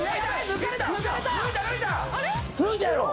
抜いたやろ？